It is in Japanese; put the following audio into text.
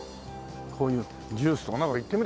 こういうジュースとかなんか行ってみるか。